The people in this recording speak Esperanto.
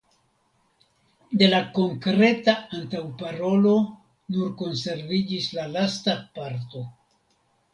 De la konkreta antaŭparolo nur konserviĝis la lasta parto.